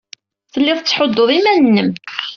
Tellid tettḥuddud iman-nnem.